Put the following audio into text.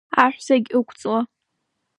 Аҳәсагь ықәҵу?